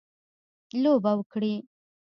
لوبه وکړي.